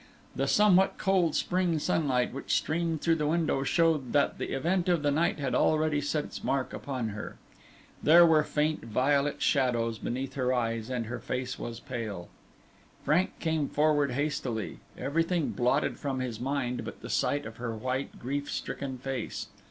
The somewhat cold spring sunlight which streamed through the window showed that the event of the night had already set its mark upon her. There were faint violet shadows beneath her eyes, and her face was pale. Frank came forward hastily, everything blotted from his mind but the sight of her white, grief stricken face.